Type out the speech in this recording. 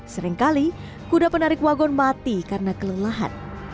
seringkali kuda penarik wagon mati karena kelelahan